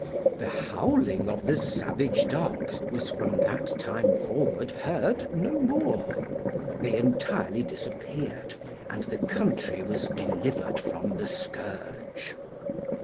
The howling of the savage Dogs was from that time forward heard no more. They entirely disappeared, and the country was delivered from the scourge.